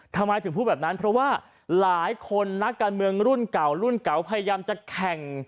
ทำไมถึงพูดแบบนั้นเพราะว่าหลายคนนักการเมืองรุ่นเก่ารุ่นเก่าพยายามจะแข่ง